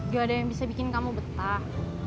gak ada yang bisa bikin kamu betah